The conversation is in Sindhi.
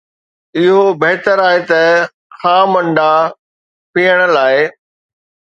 اهو بهتر آهي ته خام انڊا پيئڻ لاء